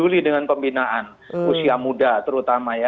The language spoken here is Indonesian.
peduli dengan pembinaan usia muda terutama ya